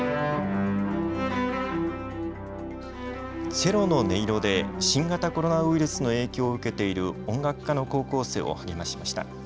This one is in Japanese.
チェロの音色で新型コロナウイルスの影響を受けている音楽科の高校生を励ましました。